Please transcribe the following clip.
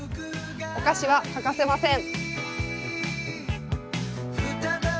お菓子は欠かせません。